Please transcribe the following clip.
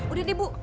udah deh bu